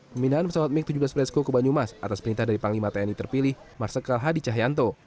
pemindahan pesawat mig tujuh belas fresco ke banyumas atas perintah dari panglima tni terpilih marsikal hadi cahyanto